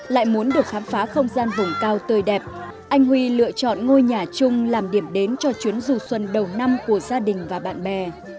lựa chọn ngôi nhà chung làm điểm đến cho chuyến du xuân đầu năm của gia đình và bạn bè